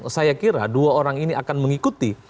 saya kira dua orang ini akan mengikuti